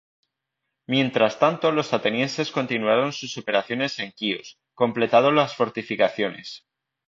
Mientras tanto los atenienses continuaron sus operaciones en Quíos, completado las fortificaciones.